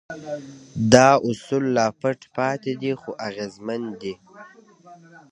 دا اصول لا پټ پاتې دي خو اغېزمن دي.